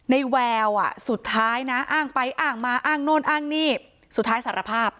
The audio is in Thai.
แววอ่ะสุดท้ายนะอ้างไปอ้างมาอ้างโน่นอ้างนี่สุดท้ายสารภาพ